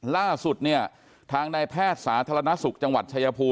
ล่าสุดเนี่ยทางนายแพทย์สาธารณสุขจังหวัดชายภูมิ